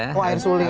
oh air suling